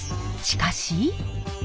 しかし。